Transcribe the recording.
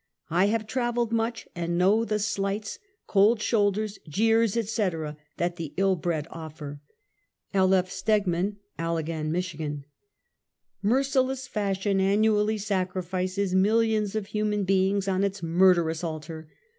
I have traveled much, and know the slights, cold shoulders, jeers, etc., that the ill bred ofter. L. F. Stegman, Allegan, Mich. Merciless Fashion annually sacrifices millions of human beings on its murderous altar.